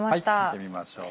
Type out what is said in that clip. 見てみましょう。